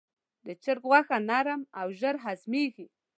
د چرګ غوښه نرم او ژر هضمېږي.